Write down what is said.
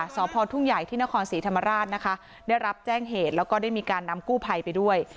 สพทุ่งใหญ่ที่นครศรีธรรมราชนะคะได้รับแจ้งเหตุแล้วก็ได้มีการนำกู้ภัยไปด้วย